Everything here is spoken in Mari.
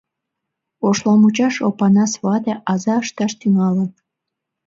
Ошламучаш Опанас вате аза ышташ тӱҥалын.